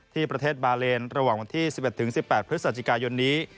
ที่ประเทศบาเลนระหว่างวันที่๑๑๑๘พฤศจิกายนนี้